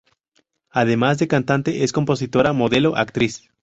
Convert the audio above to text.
Además de cantante es compositora, modelo, actriz.